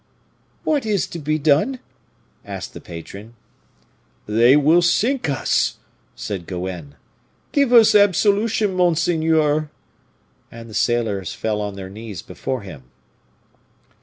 "What is to be done?" asked the patron. "They will sink us!" said Goenne, "give us absolution, monseigneur!" And the sailors fell on their knees before him.